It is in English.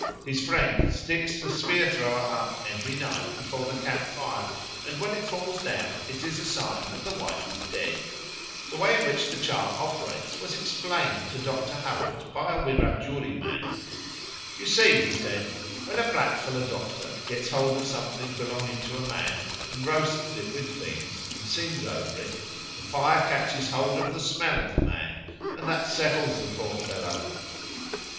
His friend sticks the spear thrower up every night before the camp fire, and when it falls down it is a sign that the wife is dead. The way in which the charm operates was explained to Dr. Howitt by a Wirajuri man. "You see," he said, "when a blackfellow doctor gets hold of something belonging to a man and roasts it with things, and sings over it, the fire catches hold of the smell of the man, and that settles the poor fellow."